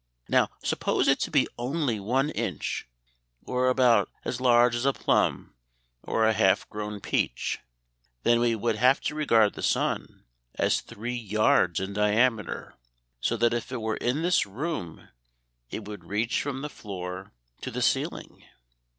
Now suppose it to be only one inch, or about as large as a plum or a half grown peach; then we would have to regard the sun as three yards in diameter, so that if it were in this room it would reach from the floor to the ceiling."